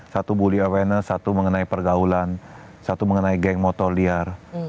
satu bully avenance satu mengenai pergaulan satu mengenai geng motor liar